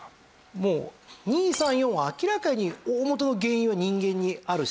もう２３４は明らかに大本の原因は人間にあるし。